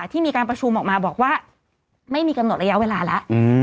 ที่มีการประชุมออกมาบอกว่าไม่มีกำหนดระยะเวลาแล้ว